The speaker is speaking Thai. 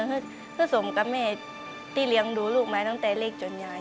เพื่อสมกับแม่ที่เลี้ยงดูลูกมาตั้งแต่เล็กจนยาย